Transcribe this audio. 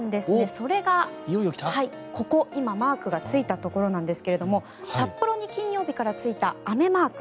それがここ今、マークがついたところなんですが札幌に金曜日からついた雨マーク。